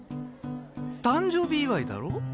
誕生日祝いだろ？